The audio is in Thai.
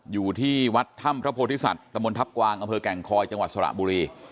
อยู่ที่วัดถ้ำพระโพธิสัตว์ตะมนทัพกวางอำเภอแก่งคอยจังหวัดสระบุรี